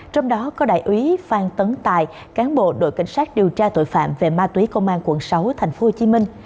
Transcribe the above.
trong đó có đại úy phan tấn tài cán bộ đội cảnh sát điều tra tội phạm về ma túy công an quận sáu tp hcm